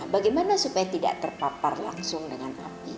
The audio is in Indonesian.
bagaimana supaya tidak terpapar langsung dengan api